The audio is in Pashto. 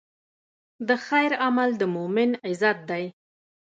د خیر عمل د مؤمن عزت دی.